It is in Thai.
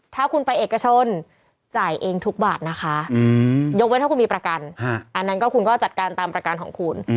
ถ้าคุณไปเอกชนจ่ายเองทุกบาทนะคะยกไว้ถ้าคุณมีประกันอันนั้นก็คุณก็จัดการตามประกันของคุณ